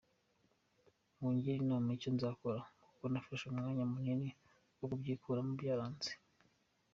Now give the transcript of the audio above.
Mungire inama y’icyo nzakora kuko nafashe umwanya munini wo kubyikuramo byaranze.